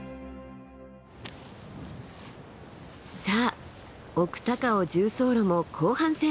さあ奥高尾縦走路も後半戦。